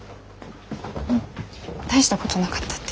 うん大したことなかったって。